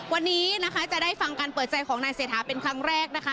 วันนี้นะคะจะได้ฟังการเปิดใจของนายเศรษฐาเป็นครั้งแรกนะคะ